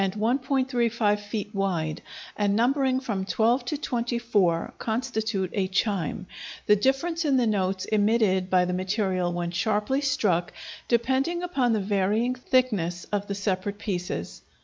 35 feet wide, and numbering from 12 to 24, constitute a chime, the difference in the notes emitted by the material when sharply struck depending upon the varying thickness of the separate pieces.